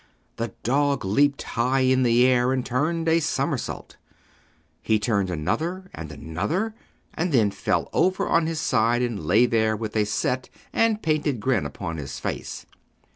The dog leaped high in the air and turned a somersault. He turned another and another and then fell over upon his side and lay there with a set and painted grin upon his face.